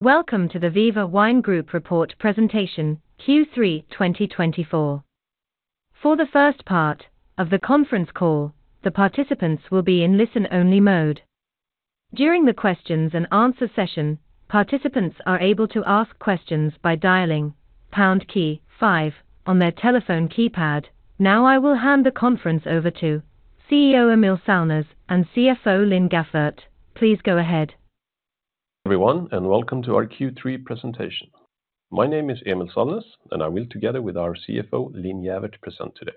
Welcome to the Viva Wine Group Report Presentation Q3 2024. For the first part of the conference call, the participants will be in listen-only mode. During the Q&A session, participants are able to ask questions by dialing pound key five on their telephone keypad. Now I will hand the conference over to CEO Emil Sallnäs and CFO Linn Gäfvert. Please go ahead. Everyone, and welcome to our Q3 presentation. My name is Emil Sallnäs, and I will, together with our CFO Linn Gäfvert, present today.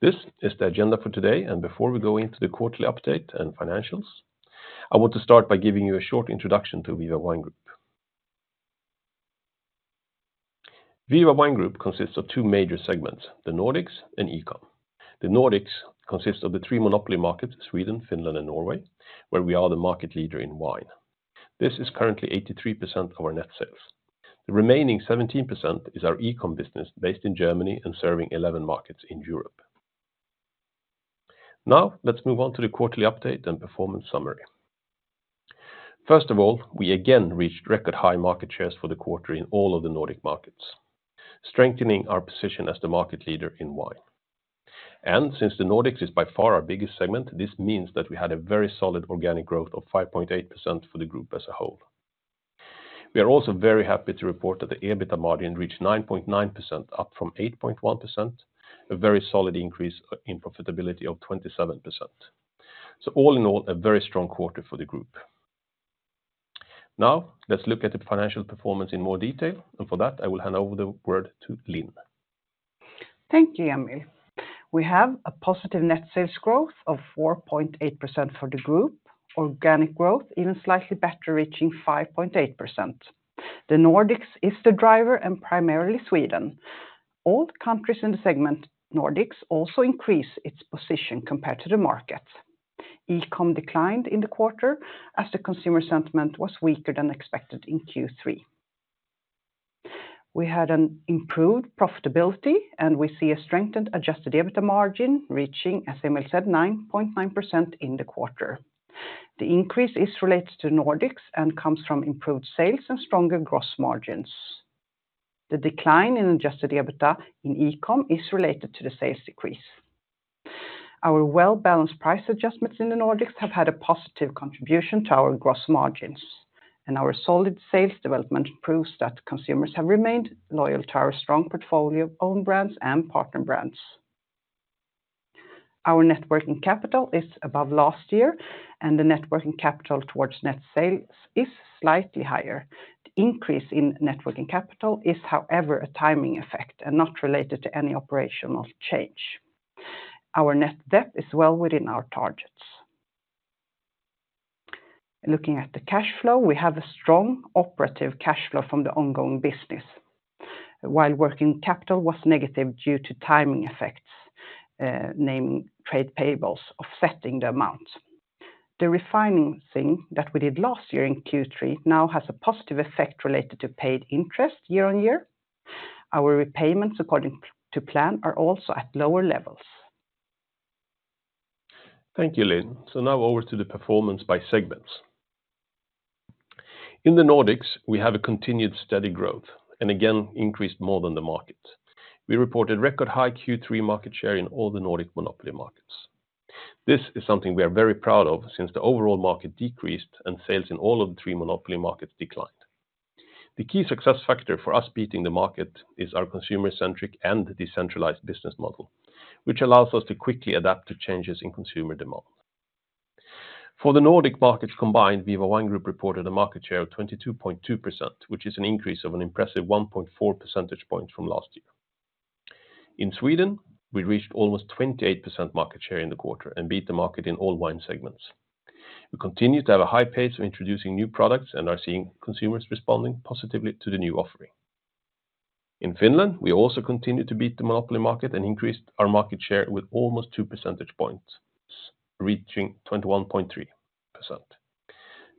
This is the agenda for today, and before we go into the quarterly update and financials, I want to start by giving you a short introduction to Viva Wine Group. Viva Wine Group consists of two major segments: the Nordics and E-com. The Nordics consist of the three monopoly markets: Sweden, Finland, and Norway, where we are the market leader in wine. This is currently 83% of our net sales. The remaining 17% is our E-com business, based in Germany and serving 11 markets in Europe. Now, let's move on to the quarterly update and performance summary. First of all, we again reached record-high market shares for the quarter in all of the Nordic markets, strengthening our position as the market leader in wine. Since the Nordics is by far our biggest segment, this means that we had a very solid organic growth of 5.8% for the group as a whole. We are also very happy to report that the EBITDA margin reached 9.9%, up from 8.1%, a very solid increase in profitability of 27%. All in all, a very strong quarter for the group. Now, let's look at the financial performance in more detail, and for that, I will hand over the word to Linn. Thank you, Emil. We have a positive net sales growth of 4.8% for the group, organic growth even slightly better, reaching 5.8%. The Nordics is the driver, and primarily Sweden. All countries in the segment, Nordics, also increased its position compared to the market. E-com declined in the quarter, as the consumer sentiment was weaker than expected in Q3. We had an improved profitability, and we see a strengthened adjusted EBITDA margin reaching, as Emil said, 9.9% in the quarter The increase is related to the Nordics and comes from improved sales and stronger gross margins. The decline in adjusted EBITDA in E-com is related to the sales decrease. Our well-balanced price adjustments in the Nordics have had a positive contribution to our gross margins, and our solid sales development proves that consumers have remained loyal to our strong portfolio of own brands and partner brands. Our net working capital is above last year, and the net working capital towards net sales is slightly higher. The increase in net working capital is, however, a timing effect and not related to any operational change. Our net debt is well within our targets. Looking at the cash flow, we have a strong operating cash flow from the ongoing business, while working capital was negative due to timing effects, namely trade payables offsetting the amount. The refinancing that we did last year in Q3 now has a positive effect related to paid interest year on year. Our repayments, according to plan, are also at lower levels. Thank you, Linn. So now over to the performance by segments. In the Nordics, we have a continued steady growth and again increased more than the market. We reported record-high Q3 market share in all the Nordic monopoly markets. This is something we are very proud of, since the overall market decreased and sales in all of the three monopoly markets declined. The key success factor for us beating the market is our consumer-centric and decentralized business model, which allows us to quickly adapt to changes in consumer demand. For the Nordic markets combined, Viva Wine Group reported a market share of 22.2%, which is an increase of an impressive 1.4 percentage points from last year. In Sweden, we reached almost 28% market share in the quarter and beat the market in all wine segments. We continue to have a high pace of introducing new products and are seeing consumers responding positively to the new offering. In Finland, we also continued to beat the monopoly market and increased our market share with almost 2 percentage points, reaching 21.3%.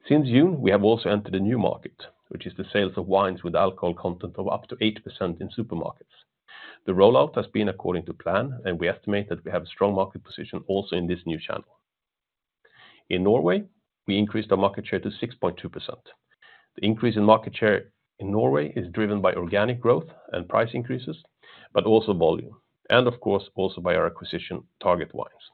Since June, we have also entered a new market, which is the sales of wines with alcohol content of up to 8% in supermarkets. The rollout has been according to plan, and we estimate that we have a strong market position also in this new channel. In Norway, we increased our market share to 6.2%. The increase in market share in Norway is driven by organic growth and price increases, but also volume, and of course, also by our acquisition, Target Wines.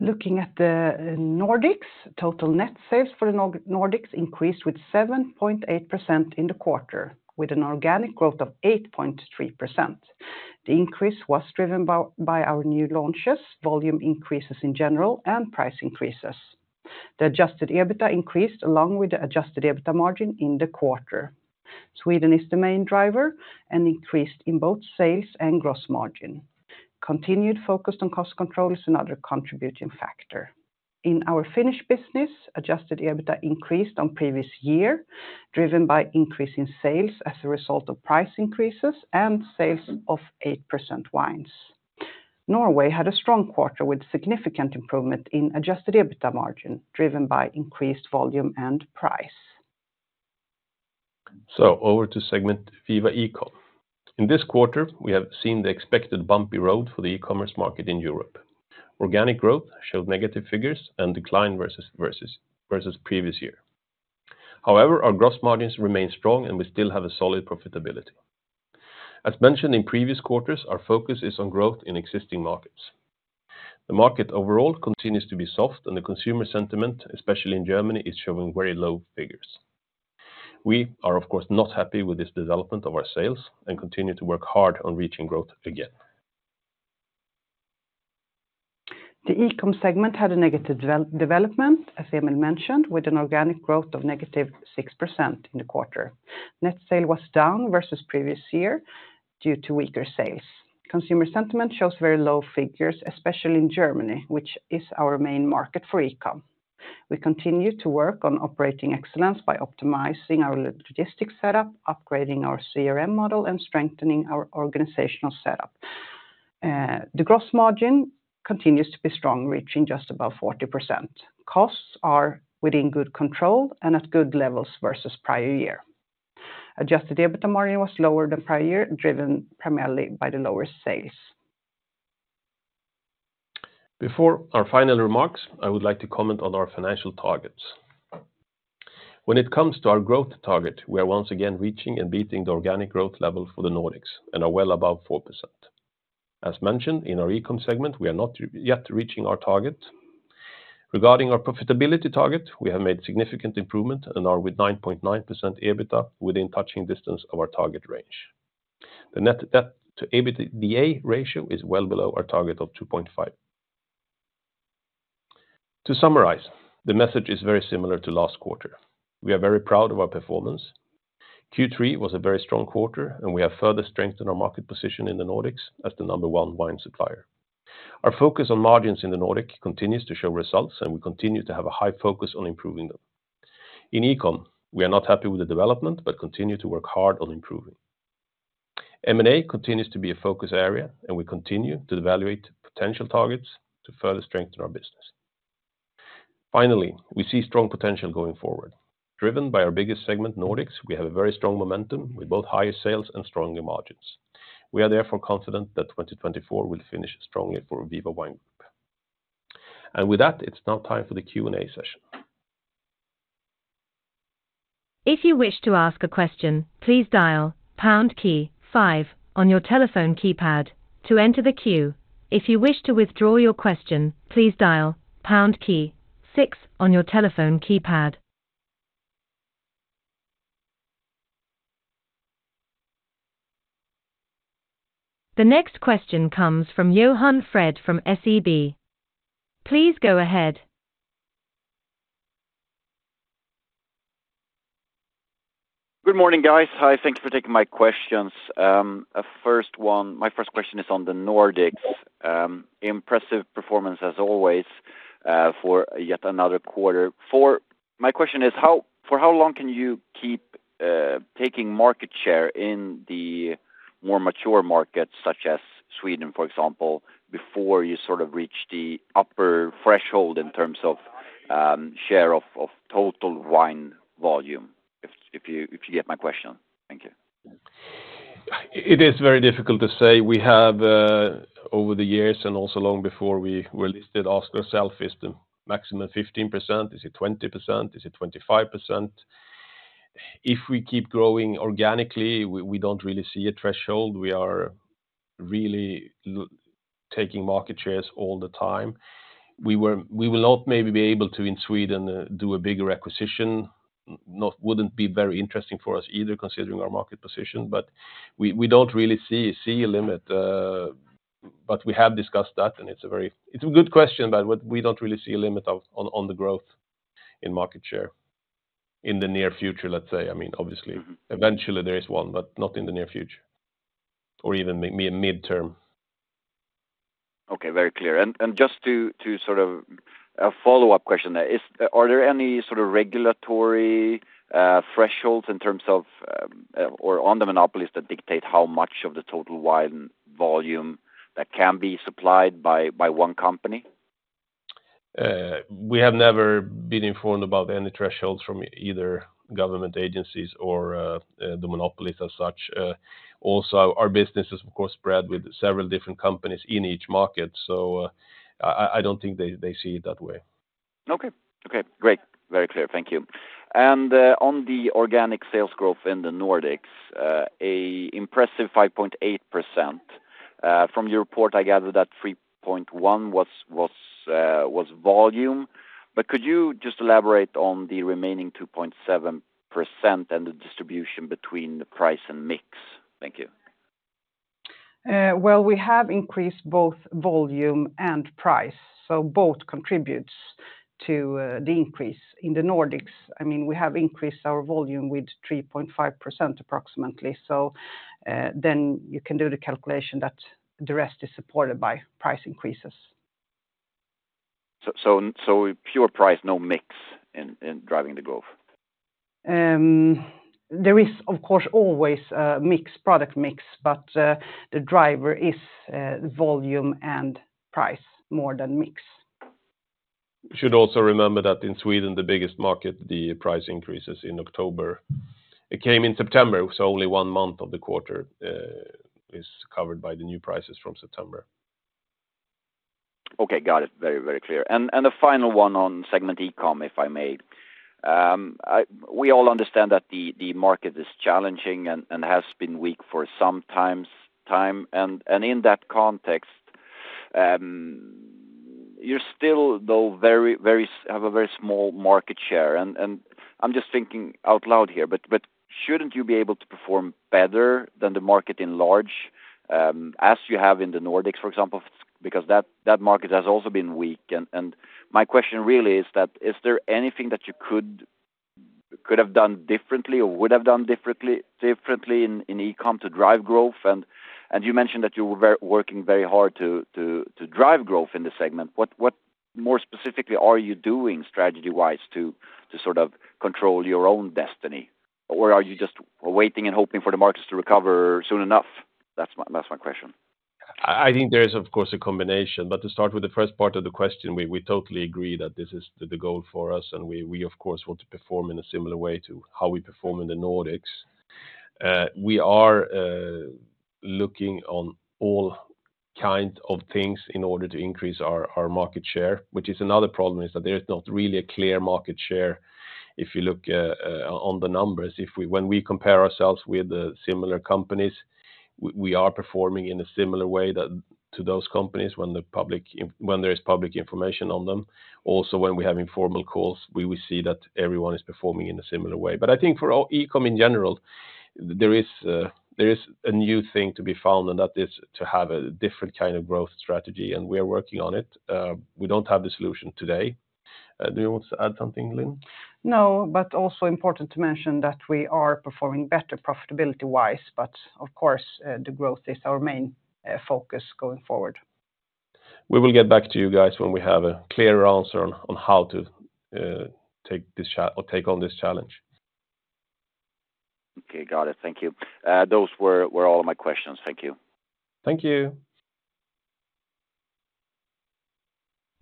Looking at the Nordics, total net sales for the Nordics increased with 7.8% in the quarter, with an organic growth of 8.3%. The increase was driven by our new launches, volume increases in general, and price increases. The adjusted EBITDA increased along with the adjusted EBITDA margin in the quarter. Sweden is the main driver and increased in both sales and gross margin. Continued focus on cost control is another contributing factor. In our Finnish business, adjusted EBITDA increased on previous year, driven by increase in sales as a result of price increases and sales of 8% wines. Norway had a strong quarter with significant improvement in adjusted EBITDA margin, driven by increased volume and price. So over to segment Viva eCom. In this quarter, we have seen the expected bumpy road for the e-commerce market in Europe. Organic growth showed negative figures and declined versus previous year. However, our gross margins remain strong, and we still have a solid profitability. As mentioned in previous quarters, our focus is on growth in existing markets. The market overall continues to be soft, and the consumer sentiment, especially in Germany, is showing very low figures. We are, of course, not happy with this development of our sales and continue to work hard on reaching growth again The e-com segment had a negative development, as Emil mentioned, with an organic growth of negative six% in the quarter. Net sale was down versus previous year due to weaker sales. Consumer sentiment shows very low figures, especially in Germany, which is our main market for e-com. We continue to work on operating excellence by optimizing our logistics setup, upgrading our CRM model, and strengthening our organizational setup. The gross margin continues to be strong, reaching just above 40%. Costs are within good control and at good levels versus prior year. Adjusted EBITDA margin was lower than prior year, driven primarily by the lower sales. Before our final remarks, I would like to comment on our financial targets. When it comes to our growth target, we are once again reaching and beating the organic growth level for the Nordics and are well above 4%. As mentioned in our e-com segment, we are not yet reaching our target. Regarding our profitability target, we have made significant improvement and are with 9.9% EBITDA within touching distance of our target range. The net debt to EBITDA ratio is well below our target of 2.5. To summarize, the message is very similar to last quarter. We are very proud of our performance. Q3 was a very strong quarter, and we have further strengthened our market position in the Nordics as the number one wine supplier. Our focus on margins in the Nordics continues to show results, and we continue to have a high focus on improving them. In e-com, we are not happy with the development but continue to work hard on improving. M&A continues to be a focus area, and we continue to evaluate potential targets to further strengthen our business. Finally, we see strong potential going forward. Driven by our biggest segment, Nordics, we have a very strong momentum with both higher sales and stronger margins. We are therefore confident that 2024 will finish strongly for Viva Wine Group, and with that, it's now time for the Q&A session. If you wish to ask a question, please dial pound key five on your telephone keypad to enter the queue. If you wish to withdraw your question, please dial pound key six on your telephone keypad. The next question comes from Johan Fred from SEB. Please go ahead. Good morning, guys. Hi, thank you for taking my questions. My first question is on the Nordics. Impressive performance as always for yet another quarter. My question is, for how long can you keep taking market share in the more mature markets, such as Sweden, for example, before you sort of reach the upper threshold in terms of share of total wine volume, if you get my question? Thank you. It is very difficult to say. We have, over the years and also long before we were listed, asked ourselves if the maximum 15%, is it 20%, is it 25%. If we keep growing organically, we don't really see a threshold. We are really taking market shares all the time. We will not maybe be able to, in Sweden, do a bigger acquisition. It wouldn't be very interesting for us either, considering our market position. But we don't really see a limit. But we have discussed that, and it's a good question, but we don't really see a limit on the growth in market share in the near future, let's say. I mean, obviously, eventually there is one, but not in the near future or even midterm. Okay, very clear and just to sort of a follow-up question there, are there any sort of regulatory thresholds in terms of or on the monopolies that dictate how much of the total wine volume that can be supplied by one company? We have never been informed about any thresholds from either government agencies or the monopolies as such. Also, our business is, of course, spread with several different companies in each market, so I don't think they see it that way. Okay, okay, great. Very clear. Thank you. And on the organic sales growth in the Nordics, an impressive 5.8%. From your report, I gather that 3.1% was volume. But could you just elaborate on the remaining 2.7% and the distribution between the price and mix? Thank you. We have increased both volume and price, so both contribute to the increase. In the Nordics, I mean, we have increased our volume with 3.5% approximately. So then you can do the calculation that the rest is supported by price increases. So pure price, no mix in driving the growth? There is, of course, always a product mix, but the driver is volume and price more than mix. We should also remember that in Sweden, the biggest market, the price increases in October. It came in September, so only one month of the quarter is covered by the new prices from September. Okay, got it. Very, very clear. And a final one on segment e-com, if I may. We all understand that the market is challenging and has been weak for some time. And in that context, you still, though, have a very small market share. And I'm just thinking out loud here, but shouldn't you be able to perform better than the market at large as you have in the Nordics, for example, because that market has also been weak. And my question really is that, is there anything that you could have done differently or would have done differently in e-com to drive growth? And you mentioned that you were working very hard to drive growth in the segment. What more specifically are you doing strategy-wise to sort of control your own destiny, or are you just waiting and hoping for the markets to recover soon enough? That's my question. I think there is, of course, a combination. But to start with the first part of the question, we totally agree that this is the goal for us, and we, of course, want to perform in a similar way to how we perform in the Nordics. We are looking on all kinds of things in order to increase our market share, which is another problem, is that there is not really a clear market share if you look on the numbers. When we compare ourselves with similar companies, we are performing in a similar way to those companies when there is public information on them. Also, when we have informal calls, we see that everyone is performing in a similar way. But I think for e-com in general, there is a new thing to be found, and that is to have a different kind of growth strategy, and we are working on it. We don't have the solution today. Do you want to add something, Linn? No, but also important to mention that we are performing better profitability-wise, but of course, the growth is our main focus going forward. We will get back to you guys when we have a clearer answer on how to take on this challenge. Okay, got it. Thank you. Those were all of my questions. Thank you. Thank you.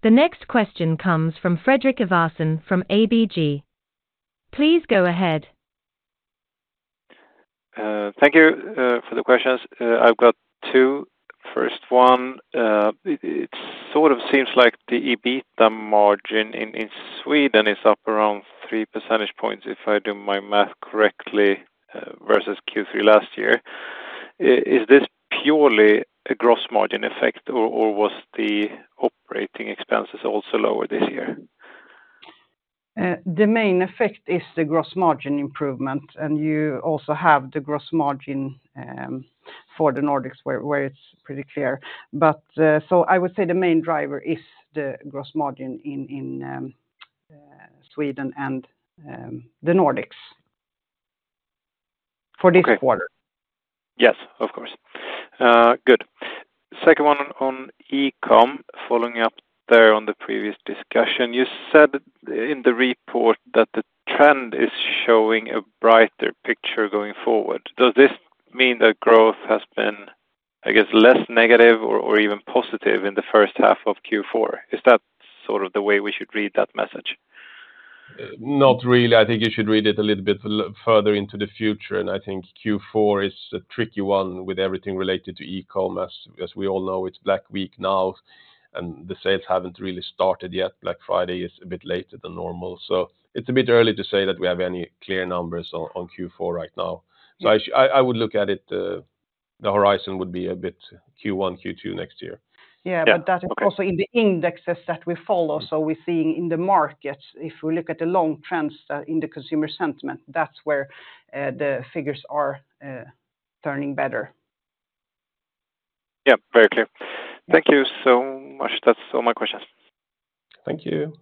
The next question comes from Fredrik Ivarsson from ABG. Please go ahead. Thank you for the questions. I've got two. First one, it sort of seems like the EBITDA margin in Sweden is up around 3 percentage points if I do my math correctly versus Q3 last year. Is this purely a gross margin effect, or was the operating expenses also lower this year? The main effect is the gross margin improvement, and you also have the gross margin for the Nordics where it's pretty clear, but so I would say the main driver is the gross margin in Sweden and the Nordics for this quarter. Yes, of course. Good. Second one on e-com, following up there on the previous discussion. You said in the report that the trend is showing a brighter picture going forward. Does this mean that growth has been, I guess, less negative or even positive in the first half of Q4? Is that sort of the way we should read that message? Not really. I think you should read it a little bit further into the future, and I think Q4 is a tricky one with everything related to e-commerce. As we all know, it's Black Week now, and the sales haven't really started yet. Black Friday is a bit later than normal, so it's a bit early to say that we have any clear numbers on Q4 right now. So I would look at it, the horizon would be a bit Q1, Q2 next year. Yeah, but that is also in the indexes that we follow. So we're seeing in the markets, if we look at the long trends in the consumer sentiment, that's where the figures are turning better. Yeah, very clear. Thank you so much. That's all my questions. Thank you.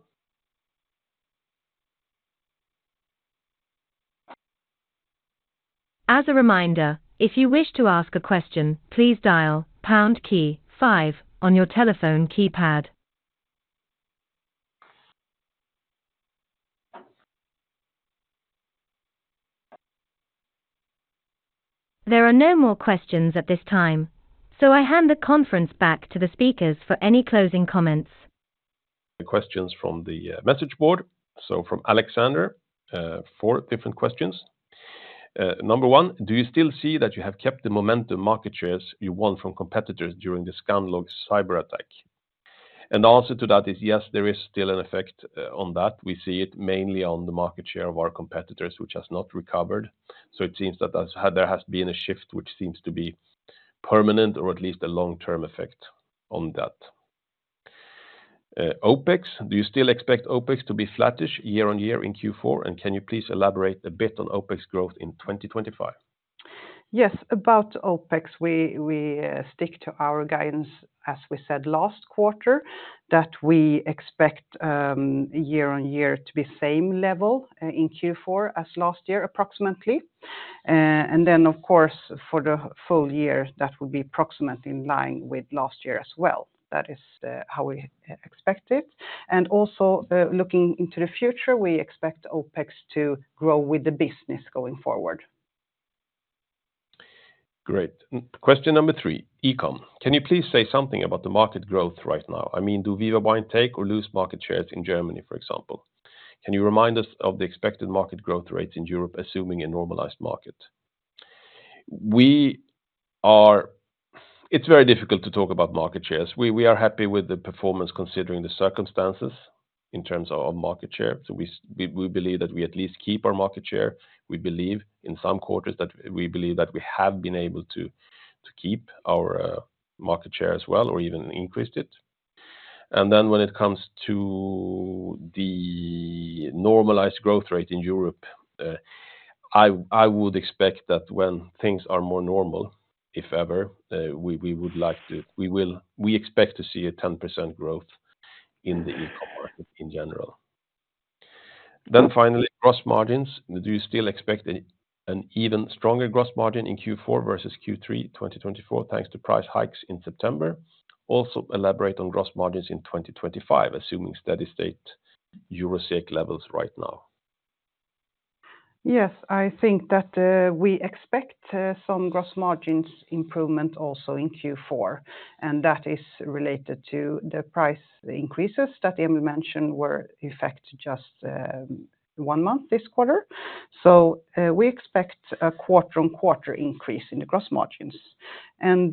As a reminder, if you wish to ask a question, please dial pound key five on your telephone keypad. There are no more questions at this time, so I hand the conference back to the speakers for any closing comments. Questions from the message board. So from Alexander, four different questions. Number one, do you still see that you have kept the momentum market shares you won from competitors during the Skanlog cyber attack? And the answer to that is yes, there is still an effect on that. We see it mainly on the market share of our competitors, which has not recovered. So it seems that there has been a shift which seems to be permanent or at least a long-term effect on that. OPEX, do you still expect OPEX to be flattish year on year in Q4? And can you please elaborate a bit on OPEX growth in 2025? Yes, about OPEX, we stick to our guidance, as we said last quarter, that we expect year on year to be same level in Q4 as last year approximately. And then, of course, for the full year, that would be approximately in line with last year as well. That is how we expect it. And also looking into the future, we expect OPEX to grow with the business going forward. Great. Question number three, e-com. Can you please say something about the market growth right now? I mean, do Viva Wine take or lose market shares in Germany, for example? Can you remind us of the expected market growth rates in Europe, assuming a normalized market? It's very difficult to talk about market shares. We are happy with the performance considering the circumstances in terms of market share. So we believe that we at least keep our market share. We believe in some quarters that we have been able to keep our market share as well or even increase it. And then when it comes to the normalized growth rate in Europe, I would expect that when things are more normal, if ever, we would like to, we expect to see a 10% growth in the e-com market in general. Then finally, gross margins. Do you still expect an even stronger gross margin in Q4 versus Q3 2024 thanks to price hikes in September? Also elaborate on gross margins in 2025, assuming steady state [Eurosec] levels right now. Yes, I think that we expect some gross margins improvement also in Q4, and that is related to the price increases that Emil mentioned were effective just one month this quarter, so we expect a quarter-on-quarter increase in the gross margins, and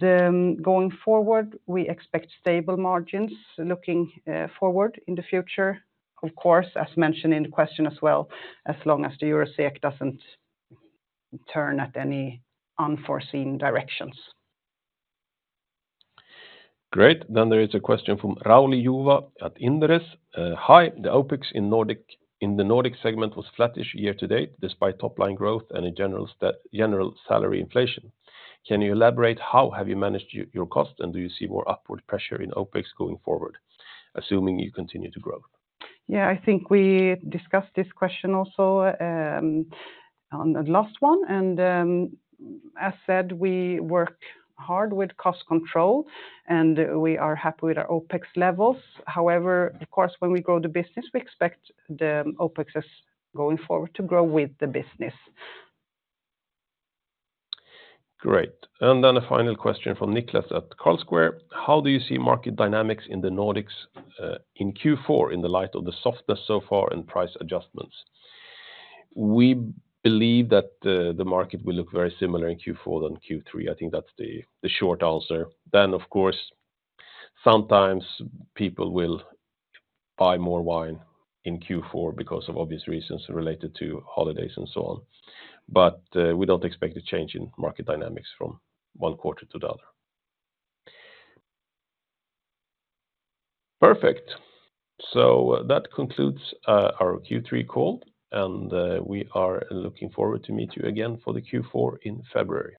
going forward, we expect stable margins looking forward in the future, of course, as mentioned in the question as well, as long as the [Eurosek] doesn't turn at any unforeseen directions. Great. Then there is a question from Rauli Juva at Inderes. Hi, the OPEX in the Nordic segment was flattish year to date despite top-line growth and a general salary inflation. Can you elaborate how have you managed your cost, and do you see more upward pressure in OPEX going forward, assuming you continue to grow? Yeah, I think we discussed this question also on the last one. And as said, we work hard with cost control, and we are happy with our OPEX levels. However, of course, when we grow the business, we expect the OPEX going forward to grow with the business. Great. And then a final question from Niklas at Carlsquare. How do you see market dynamics in the Nordics in Q4 in the light of the softness so far and price adjustments? We believe that the market will look very similar in Q4 than Q3. I think that's the short answer. Then, of course, sometimes people will buy more wine in Q4 because of obvious reasons related to holidays and so on. But we don't expect a change in market dynamics from one quarter to the other. Perfect. So that concludes our Q3 call, and we are looking forward to meeting you again for the Q4 in February.